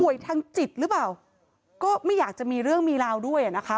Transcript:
ทางจิตหรือเปล่าก็ไม่อยากจะมีเรื่องมีราวด้วยอ่ะนะคะ